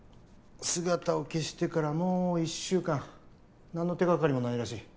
姿を消してからもう１週間何の手掛かりもないらしい。